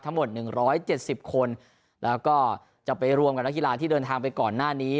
ทั้งหมดหนึ่งร้อยเจ็ดสิบคนแล้วก็จะไปรวมกับนักกีฬาที่เดินทางไปก่อนหน้านี้